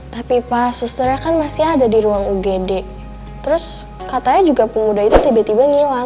tapi pas sustera kan masih ada di ruang ugd terus katanya juga pemuda itu tiba tiba ngilang